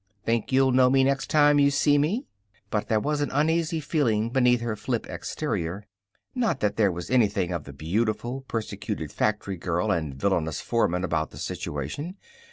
"Think you'll know me next time you see me?" But there was an uneasy feeling beneath her flip exterior. Not that there was anything of the beautiful, persecuted factory girl and villainous foreman about the situation.